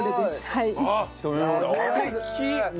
はい。